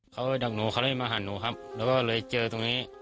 เขาไปดักหนูเขาเลยมาหันหนูครับแล้วก็เลยเจอตรงนี้